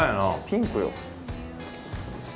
ピンクよ。